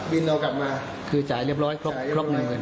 เรากลับมาคือจ่ายเรียบร้อยครบหนึ่ง